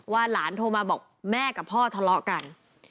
หลานโทรมาบอกแม่กับพ่อทะเลาะกัน